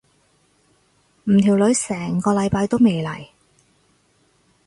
唔條女成個禮拜都未嚟。